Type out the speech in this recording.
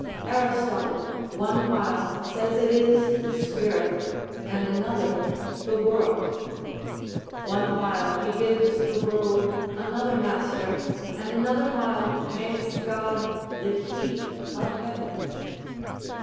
Aristotle one while says it is the spirit, and another the world; one while he gives the world another master, and another while makes God the heat of heaven.